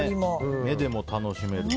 目でも楽しめる。